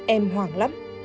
em hoảng lắm